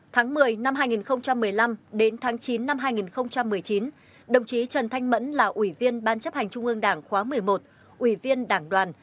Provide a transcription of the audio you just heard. tháng một mươi năm hai nghìn một mươi năm đến tháng chín năm hai nghìn một mươi chín đồng chí trần thanh mẫn là ủy viên ban chấp hành trung ương đảng khóa một mươi một ủy viên đảng đoàn